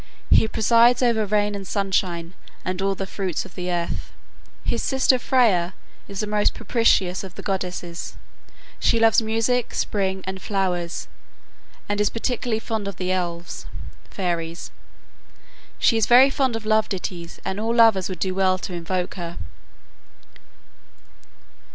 He presides over rain and sunshine and all the fruits of the earth. His sister Freya is the most propitious of the goddesses. She loves music, spring, and flowers, and is particularly fond of the Elves (fairies). She is very fond of love ditties, and all lovers would do well to invoke her.